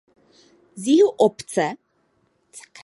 Z jihu na obec plynule navazuje její osada Mikulovice.